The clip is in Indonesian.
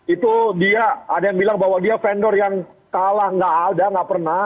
itu dia ada yang bilang bahwa dia vendor yang kalah nggak ada nggak pernah